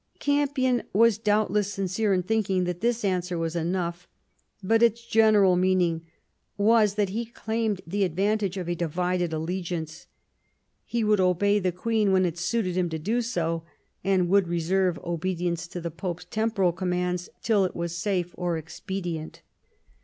Campion was doubtless sincere in thinking that this answer was enough : but its general meaning was that he claimed the advantage of a divided allegiance; he would obey the Queen when it suited him to do so, and would reserve obedience to the Pope's temporal commands till it was safe or expedient.